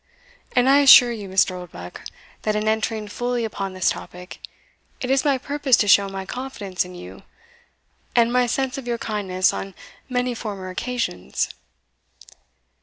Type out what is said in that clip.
And I assure you, Mr. Oldbuck, that in entering fully upon this topic, it is my purpose to show my confidence in you, and my sense of your kindness on many former occasions."